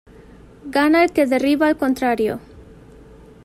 Gana el que derriba al contrario.